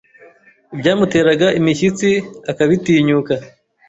ibyamuteraga imishyitsi akabitinyuka